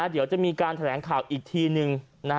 เดี๋ยวจะมีการแถลงข่าวอีกทีนึง